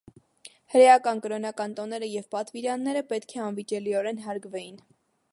Հրեական կրոնական տոները և պատվիրանները պետք է անվիճելիորեն հարգվեին։